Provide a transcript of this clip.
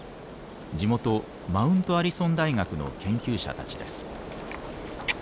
地元マウントアリソン大学の研究者たちです。